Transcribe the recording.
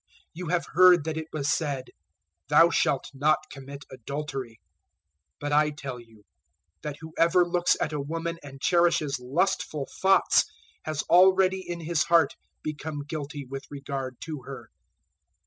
005:027 "You have heard that it was said, `Thou shalt not commit adultery.' 005:028 But I tell you that whoever looks at a woman and cherishes lustful thoughts has already in his heart become guilty with regard to her.